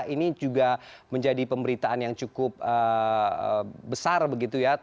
ini juga menjadi pemberitaan yang cukup besar begitu ya